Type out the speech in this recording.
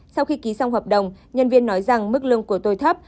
sau khi ký xong hợp đồng nhân viên nói rằng mức lương của tôi thấp